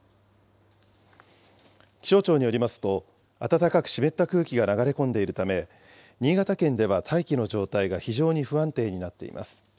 気象庁によりますと、暖かく湿った空気が流れ込んでいるため、新潟県では大気の状態が非常に不安定になっています。